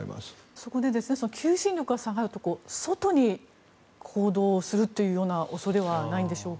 そこで、求心力が下がると外に行動をするという恐れはないんでしょうか。